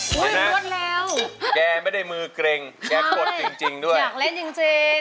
เห็นไหมแกไม่ได้มือเกร็งแกกดจริงด้วยใช่อยากเล่นจริง